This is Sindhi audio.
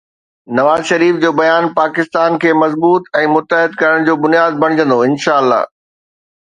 نواز شريف جو بيان پاڪستان کي مضبوط ۽ متحد ڪرڻ جو بنياد بڻجندو، انشاءَ الله.